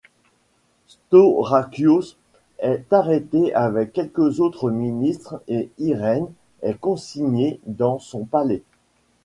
Staurakios est arrêté avec quelques autres ministres et Irène est consignée dans son palais.